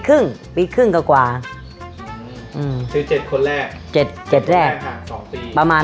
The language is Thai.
คุณพ่อมีลูกทั้งหมด๑๐ปี